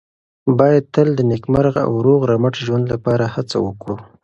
باید تل د نېکمرغه او روغ رمټ ژوند لپاره هڅه وکړو.